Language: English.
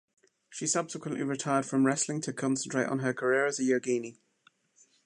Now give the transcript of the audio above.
She subsequently retired from wrestling to concentrate on her career as a yogini.